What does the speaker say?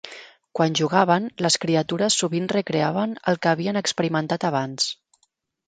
Quan jugaven, les criatures sovint recreaven el que havien experimentat abans.